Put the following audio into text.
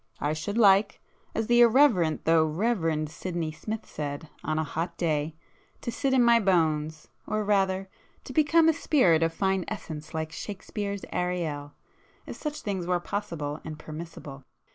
I should like, as the irreverent though reverend Sidney Smith said, on a hot day, 'to sit in my bones,' or rather, to become a spirit of fine essence like Shakespeare's Ariel, if such things were possible and permissible.